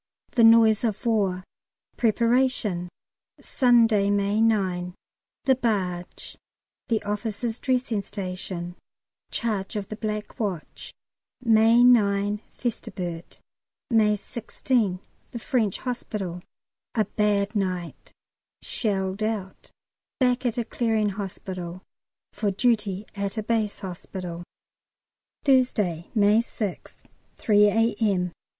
The noise of war Preparation Sunday, May 9 The barge The officers' dressing station Charge of the Black Watch, May 9 Festubert, May 16 The French Hospital A bad night Shelled out Back at a Clearing Hospital "For duty at a Base Hospital." Thursday, May 6th, 3 A.M.